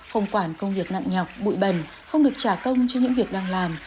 hồng quản công việc nặng nhọc bụi bẩn không được trả công cho những việc đang làm